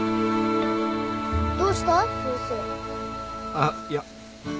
あっいや。